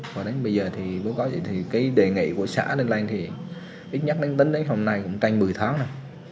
và đến bây giờ thì đề nghị của xã lên lên thì ít nhất đến hôm nay cũng tranh một mươi tháng rồi